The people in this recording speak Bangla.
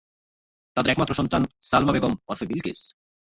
তাদের একমাত্র সন্তান সালমা বেগম ওরফে বিলকিস।